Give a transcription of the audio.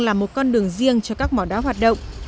là một con đường riêng cho các mỏ đá hoạt động